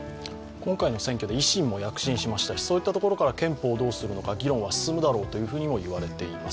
今回の選挙で維新も躍進しましたし、そういったところから憲法をどうするのか議論は進むだろうといわれています。